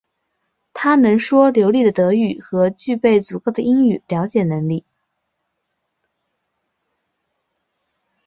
他能说流利的德语和具备足够的英语了解能力。